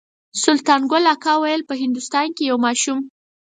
سلطان ګل اکا ویل په هندوستان کې یو ماشوم.